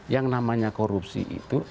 yang namanya korupsi itu